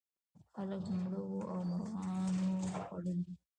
خلک مړه وو او مرغانو خوړل.